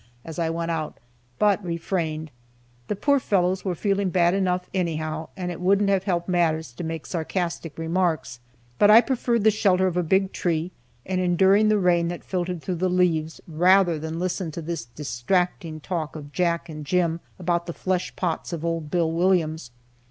as I went out, but refrained. The poor fellows were feeling bad enough, anyhow, and it wouldn't have helped matters to make sarcastic remarks. But I preferred the shelter of a big tree, and enduring the rain that filtered through the leaves, rather than listen to this distracting talk of Jack and Jim about the flesh pots of old Bill Williams.